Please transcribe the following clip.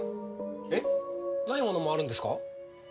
えっ？ないものもあるんですか？